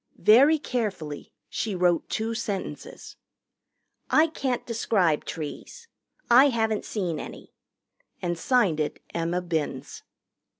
Very carefully she wrote two sentences. "I can't describe trees. I haven't seen any." And signed it Emma Binns.